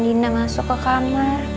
gak bisa masuk ke kamar